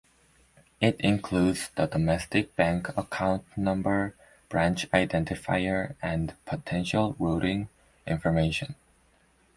It includes the domestic bank account number, branch identifier, and potential routing information.